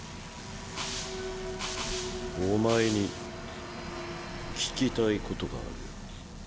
お前に聞きたいことがある。